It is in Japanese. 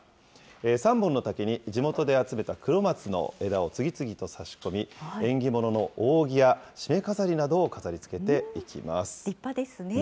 ３本の竹に地元で集めたクロマツの枝を次々とさし込み、縁起物の扇や、しめ飾りなどを飾りつけていきます。